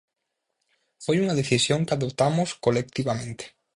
Foi unha decisión que adoptamos colectivamente.